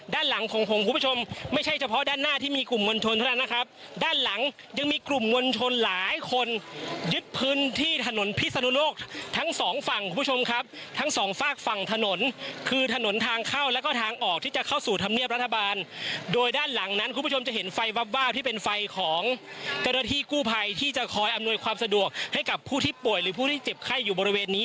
ด้านหลังนะครับด้านหลังยังมีกลุ่มวนชนหลายคนยึดพื้นที่ถนนพิศนโลกทั้งสองฝั่งคุณผู้ชมครับทั้งสองฝากฝั่งถนนคือถนนทางเข้าแล้วก็ทางออกที่จะเข้าสู่ธรรมเนียบรัฐบาลโดยด้านหลังนั้นคุณผู้ชมจะเห็นไฟวาบวาบที่เป็นไฟของกระโดยที่กู้ภัยที่จะคอยอำนวยความสะดวกให้กับผู้ที่ป่วยหรือผู้